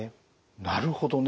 なるほどね。